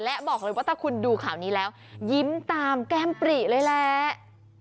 และบอกเลยว่าถ้าคุณดูข่าวนี้แล้วยิ้มตามแก้มปรีเลยแหละ